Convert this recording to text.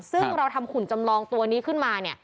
ซึ่งเราทำขุนจำลองตัวนี้ขึ้นมา